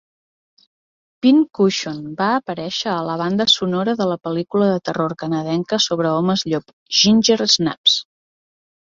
"Pin Cushion" va aparèixer a la banda sonora de la pel·lícula de terror canadenca sobre homes llop, Ginger Snaps.